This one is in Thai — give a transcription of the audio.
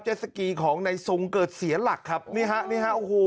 สกีของในซุงเกิดเสียหลักครับนี่ฮะนี่ฮะโอ้โห